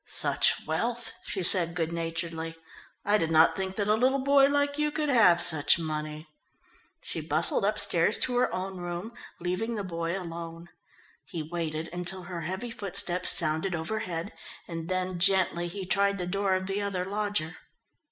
"Such wealth!" she said good naturedly. "I did not think that a little boy like you could have such money." She bustled upstairs to her own room, leaving the boy alone. He waited until her heavy footsteps sounded overhead, and then gently he tried the door of the other lodger.